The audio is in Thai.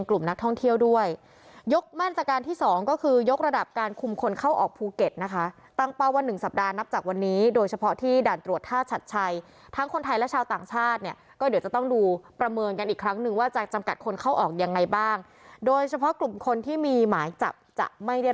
แล้วยิ่งถ้าทำงานหนักแนวอะไรยังไงก็เชื่อว่าจะหาตัวคนร้ายได้